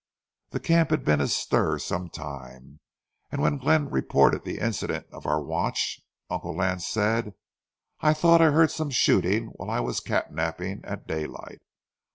The camp had been astir some time, and when Glenn reported the incident of our watch, Uncle Lance said: "I thought I heard some shooting while I was cat napping at daylight.